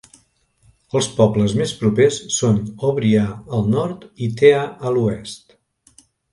Els pobles més propers són Ovrya al nord i Thea a l'oest.